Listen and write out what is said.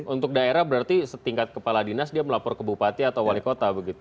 untuk daerah berarti setingkat kepala dinas dia melapor ke bupati atau wali kota begitu